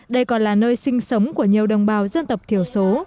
đây còn là nơi sinh sống của nhiều đồng bào dân tộc thiểu số